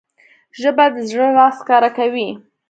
ژبه د زړه راز ښکاره کوي